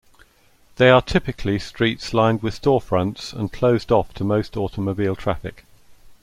They are typically streets lined with storefronts and closed off to most automobile traffic.